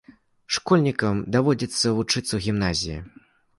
Школьнікам даводзіцца вучыцца ў гімназіі.